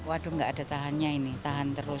waduh nggak ada tahannya ini tahan terus